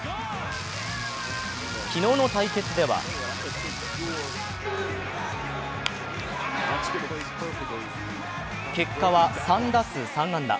昨日の対決では結果は３打数３安打。